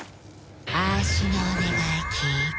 あーしのお願い聞いて。